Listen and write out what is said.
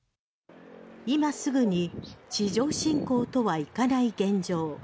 今すぐに地上侵攻とはいかない現状。